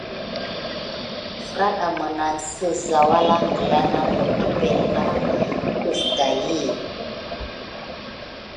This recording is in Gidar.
Ferada minane siza huro akana epəŋle kana def taki.